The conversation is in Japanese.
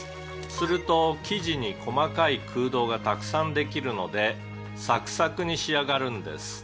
「すると生地に細かい空洞がたくさんできるのでサクサクに仕上がるんです」